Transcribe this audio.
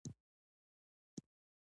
پامیر د افغانستان د زرغونتیا نښه ده.